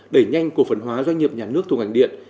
đẩy nhanh cổ phần hóa doanh nghiệp nhà nước thuộc ngành điện